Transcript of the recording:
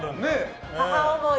母思い。